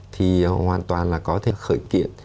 thì hoàn toàn là có thể khởi kiện